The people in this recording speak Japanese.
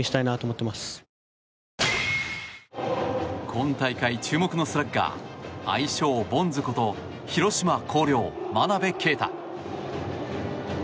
今大会注目のスラッガー愛称ボンズこと広島・広陵、真鍋慧。